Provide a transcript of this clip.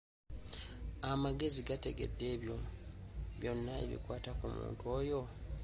Amagezi gategedde ebyo byonna ebikwata ku muntu oyo.